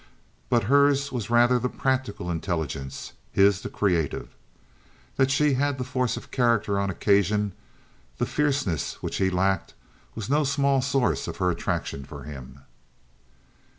But hers was rather the practical intelligence, his the creative. That she had the force of character, on occasion the fierceness, which he lacked, was no small source of her attraction for him.